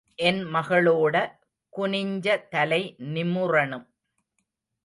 என் மகளோட குனிஞ்ச தலை நிமுறணும்.